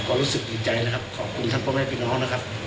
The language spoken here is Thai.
ก็รู้สึกดีใจนะครับขอบคุณทั้งพ่อแม่พี่น้องนะครับ